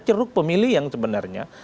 ceruk pemilih yang sebenarnya